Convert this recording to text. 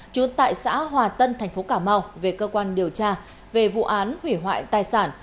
trú tại xã hòa tân thành phố cà mau về cơ quan điều tra về vụ án hủy hoại tài sản